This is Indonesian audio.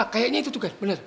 kayaknya itu tuh gan bener